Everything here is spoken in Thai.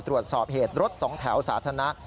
ตรวจสอบเหตุรถสองแถวสาธารณะ